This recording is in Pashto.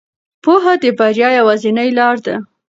پوهه د بریا یوازینۍ لار ده.